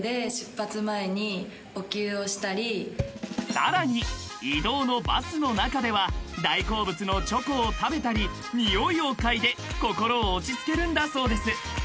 ［さらに移動のバスの中では大好物のチョコを食べたりにおいを嗅いで心を落ち着けるんだそうです］